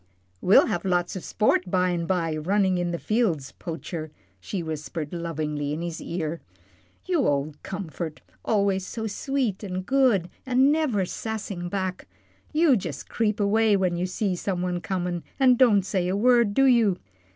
"We'll have lots o' sport by an' by runnin' in the fields, Poacher," she whispered, lovingly, in his ear, "you ole comfort always so sweet, an' good, an' never sassing back. You jus' creep away when you see some one comin' and don't say a word, do you?